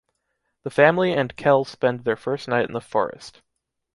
The family and Kel spend their first night in the forest.